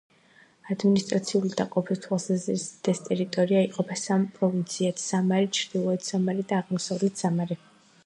ადმინისტრაციული დაყოფის თვალსაზრისით ეს ტერიტორია იყოფა სამ პროვინციად: სამარი, ჩრდილოეთი სამარი და აღმოსავლეთი სამარი.